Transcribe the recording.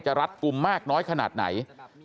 รัดกลุ่มมากน้อยขนาดไหน